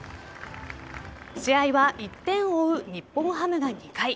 試合は１点を追う日本ハムが２回。